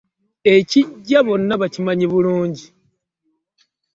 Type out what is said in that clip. Ekijja bonna bakimanyi bulungi.